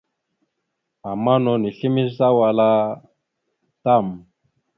Ama no nislémazza wal a tam.